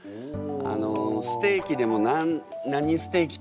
あのステーキでも何ステーキっていうんですかね？